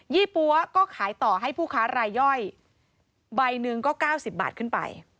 ี่ปั๊วก็ขายต่อให้ผู้ค้ารายย่อยใบหนึ่งก็๙๐บาทขึ้นไป